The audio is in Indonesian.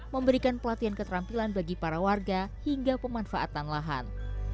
memberikan pelatihan keterampilan bagi para warga hingga pemanfaatan lahan